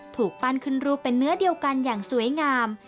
ถูกปั้นขึ้นรูปเป็นเนื้อเดียวกันอย่างสวยงาม